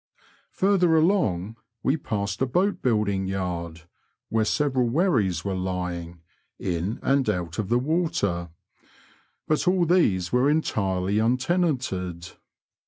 Further along, we passed a boat building yard, where several wherries were lying, in and out the water ; but all these were entirely untenanted.